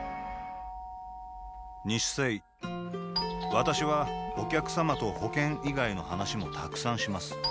私はお客様と保険以外の話もたくさんします